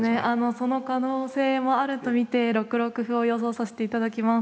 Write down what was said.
その可能性もあると見て６六歩を予想させていただきます。